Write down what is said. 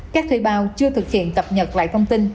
các thuê bao chưa thực hiện tập nhật lại thông tin thuê bao